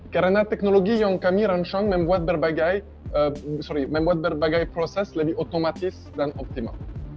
karena teknologi yang kami rencang membuat berbagai sorry membuat berbagai proses lebih otomatis dan optimal